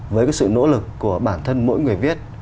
với cái sự nỗ lực của bản thân mỗi người viết